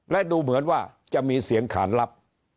และดูเหมือนว่าจะมีเสียงขานลับ